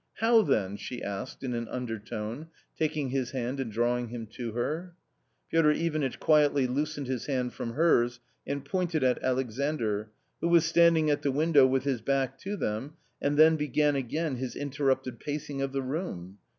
"How then?" she asked in an undertone, taking his hand and drawing him to her. Piotr Ivanitch quietly loosened his hand from hers and pointed at Alexandr, who was standing at the window with his back to them and then began again his interrupted pacing of the room.